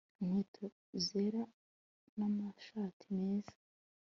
Inkweto zera namashati meza